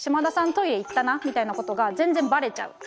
トイレ行ったな」みたいなことが全然ばれちゃう。